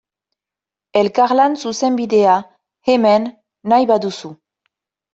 Elkarlan zuzenbidea, hemen, nahi baduzu.